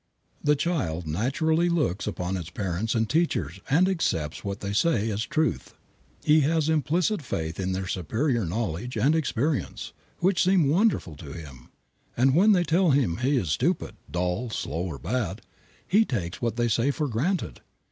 The child naturally looks up to its parents and teachers and accepts what they say as truth. He has implicit faith in their superior knowledge and experience, which seem wonderful to him, and when they tell him he is stupid, dull, slow, or bad, he takes what they say for granted.